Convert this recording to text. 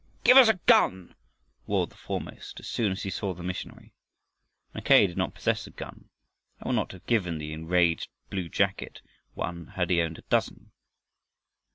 "Give us a gun!" roared the foremost as soon as he saw the missionary. Mackay did not possess a gun, and would not have given the enraged bluejacket one had he owned a dozen.